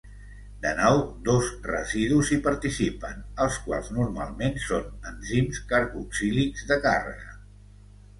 De nou, dos residus hi participen, els quals normalment són enzims carboxílics de càrrega.